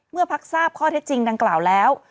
พักทราบข้อเท็จจริงดังกล่าวแล้ว